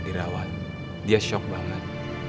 bisa lihat dia shock banget